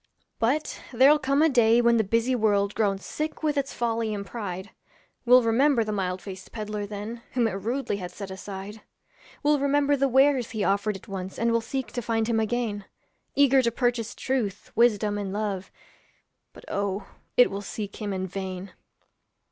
But there'll come a day when the busy world, Grown sick with its folly and pride, Will remember the mild faced peddler then Whom it rudely had set aside; Will remember the wares he offered it once And will seek to find him again, Eager to purchase truth, wisdom, and love, But, oh, it will seek him in vain.